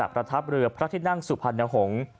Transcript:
ประทับเรือพระที่นั่งสุพรรณหงษ์